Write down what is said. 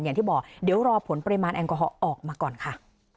อย่างที่บอกเดี๋ยวรอผลปริมาณแอลกอฮอล์ออกมาก่อนค่ะ